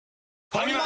ファミマ！